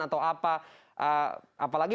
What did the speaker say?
atau apa apalagi